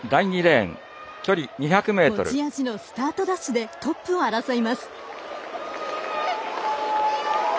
持ち味のスタートダッシュでトップを争います。